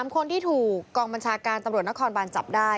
๓คนที่ถูกกองบัญชาการตำรวจนครบานจับได้